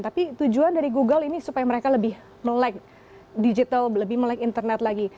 tapi tujuan dari google ini supaya mereka lebih melek digital lebih melek internet lagi